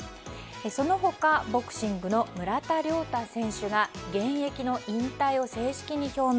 その他ボクシングの村田諒太選手が現役の引退を正式に表明。